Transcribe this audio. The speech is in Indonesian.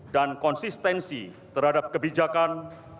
dan konsistensi terhadap kebijakan